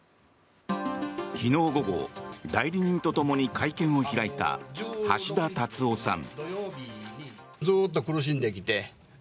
昨日午後代理人とともに会見を開いた橋田達夫さん。